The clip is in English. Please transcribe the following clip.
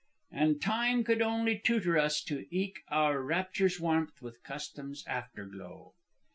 "'And time could only tutor us to eke Our rapture's warmth with custom's afterglow.'